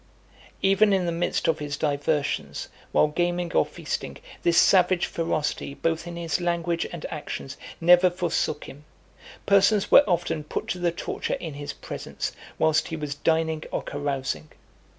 XXXII. Even in the midst of his diversions, while gaming or feasting, this savage ferocity, both in his language and actions, never forsook him. Persons were often put to the torture in his presence, whilst he was dining or carousing.